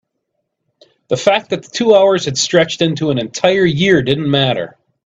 the fact that the two hours had stretched into an entire year didn't matter.